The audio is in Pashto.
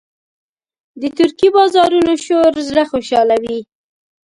د ترکي بازارونو شور زړه خوشحالوي.